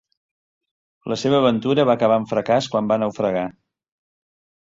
La seva aventura va acabar en fracàs quan va naufragar.